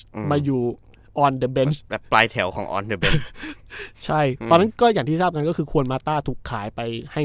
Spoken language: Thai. อืมมาอยู่ออนเดอร์เบนส์แบบปลายแถวของออนเดอร์เบนใช่ตอนนั้นก็อย่างที่ทราบกันก็คือควรมาต้าถูกขายไปให้